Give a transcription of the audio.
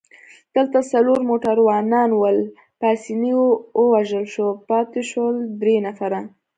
دلته څلور موټروانان ول، پاسیني ووژل شو، پاتې شول درې نفره.